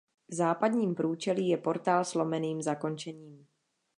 V západním průčelí je portál s lomeným zakončením.